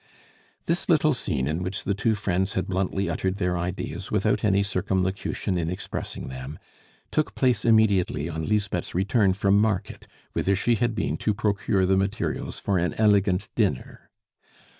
This little scene, in which the two friends had bluntly uttered their ideas without any circumlocution in expressing them, took place immediately on Lisbeth's return from market, whither she had been to procure the materials for an elegant dinner.